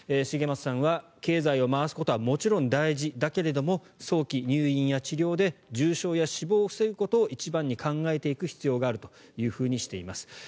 茂松さんは、経済を回すことはもちろん大事だけれども早期入院や治療で重症や死亡を防ぐことを一番に考えていく必要があるとしています。